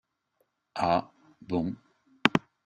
Ah, bon.